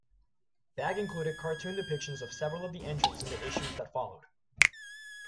Bagge included cartoon depictions of several of the entrants in the issues that followed.